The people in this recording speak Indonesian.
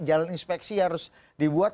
jalan inspeksi harus dibuat